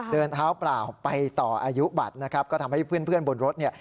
เดินเท้าเปล่าไปต่ออายุบัตรนะครับก็ทำให้เพื่อนบนรถเนี่ย